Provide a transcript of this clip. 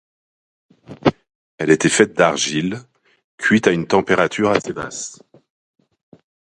Elle est faite d'argile, cuite à une température assez basse.